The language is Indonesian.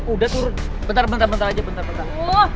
udah turun bentar bentar aja bentar bentar